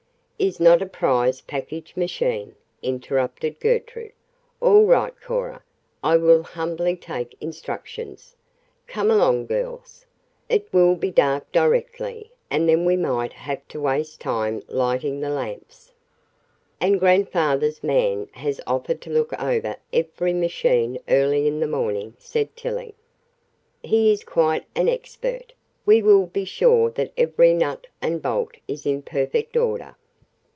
"Is not a prize package machine," interrupted Gertrude. "All right, Cora. I will humbly take instructions. Come along, girls. It will be dark directly, and then we might have to waste time lighting the lamps." "And grandfather's man has offered to look over every machine early in the morning," said Tillie. "He is quite expert; we will be sure that every nut and bolt is in perfect order."